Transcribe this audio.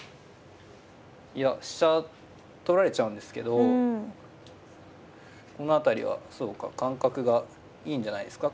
いや飛車取られちゃうんですけどこの辺りはそうか感覚がいいんじゃないですか。